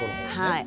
はい。